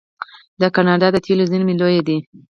د کاناډا د تیلو زیرمې لویې دي.